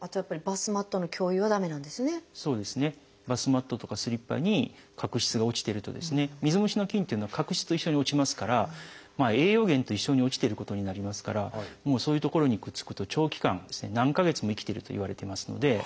バスマットとかスリッパに角質が落ちてると水虫の菌というのは角質と一緒に落ちますから栄養源と一緒に落ちてることになりますからそういう所にくっつくと長期間何か月も生きてるといわれてますので。